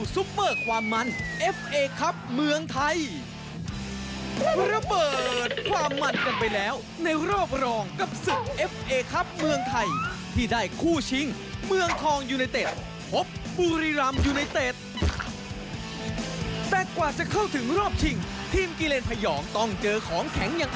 สวัสดีครับสวัสดีครับสวัสดีครับ